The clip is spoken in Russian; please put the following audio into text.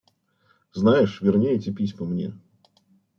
Знаешь, верни эти письма мне.